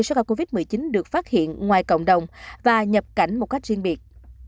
số ca covid một mươi chín được phát hiện ngoài cộng đồng và nhập cảnh một cách riêng biệt